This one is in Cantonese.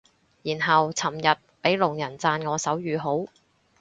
然後尋日俾聾人讚我手語好